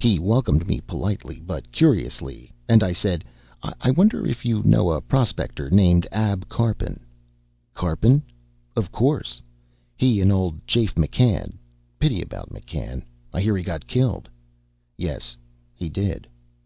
He welcomed me politely, but curiously, and I said, "I wonder if you know a prospector named Ab Karpin?" "Karpin? Of course. He and old Jafe McCann pity about McCann. I hear he got killed." "Yes, he did."